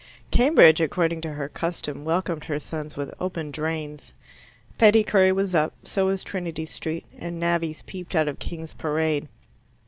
Cambridge, according to her custom, welcomed her sons with open drains. Pettycury was up, so was Trinity Street, and navvies peeped out of King's Parade.